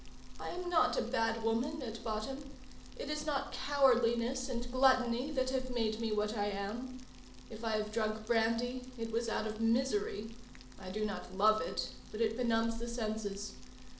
I am not a bad woman at bottom. It is not cowardliness and gluttony that have made me what I am. If I have drunk brandy, it was out of misery. I do not love it; but it benumbs the senses.